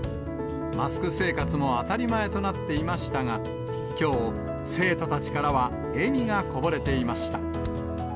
マスク生活も当たり前となっていましたが、きょう、生徒たちからは笑みがこぼれていました。